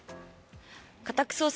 家宅捜索